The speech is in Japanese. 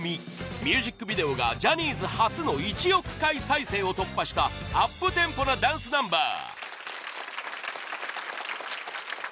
ミュージックビデオがジャニーズ初の１億回再生を突破したアップテンポなダンスナンバー